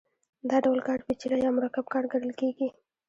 دا ډول کار پېچلی یا مرکب کار ګڼل کېږي